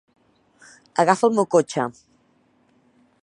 Agafa el meu cotxe.